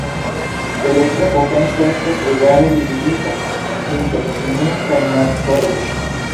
Elektra potenco estas egale dividita inter Ĉinio kaj Nord-Koreio.